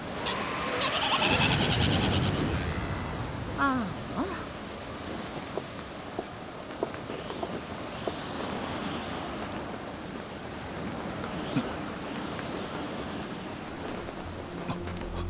あっ。